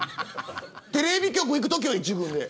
テレビ局に行くときは１軍で。